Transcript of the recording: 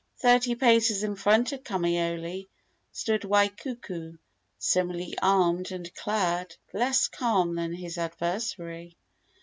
Thirty paces in front of Kamaiole stood Waikuku, similarly armed and clad, but less calm than his adversary.